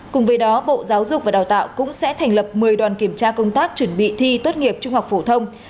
cùng với đó bộ giáo dục và đào tạo cũng sẽ thành lập một mươi đoàn kiểm tra công tác chuẩn bị thi tốt nghiệp trung học phổ thông